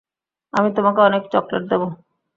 আমি তোমাকে অনেক চকলেট দেবো।